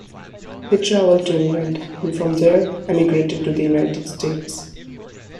He traveled to England and from there emigrated to the United States.